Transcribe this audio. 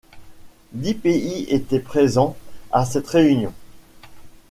Dix pays étaient présents à cette réunion.